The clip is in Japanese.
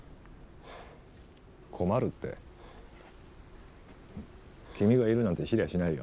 困るって君がいるなんて知りゃしないよ。